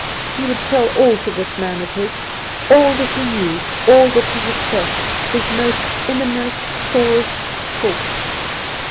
He would tell all to this man of his all that he knew, all that he had felt, his inmost sorest thought.